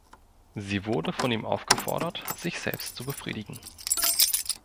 Sie wurde von ihm aufgefordert, sich selbst zu befriedigen.